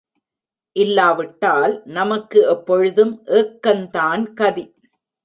இல்லாவிட்டால் நமக்கு எப்பொழுதும் ஏக்கந்தான் கதி.